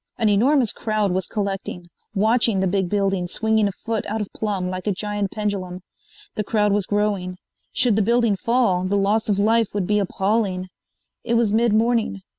An enormous crowd was collecting, watching the big building swinging a foot out of plumb like a giant pendulum. The crowd was growing. Should the building fall the loss of life would be appalling. It was mid morning.